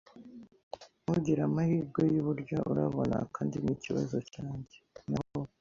ntugire amahirwe yuburyo, urabona, kandi nikibazo cyanjye. Naho